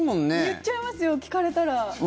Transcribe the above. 言っちゃいますよ聞かれたら。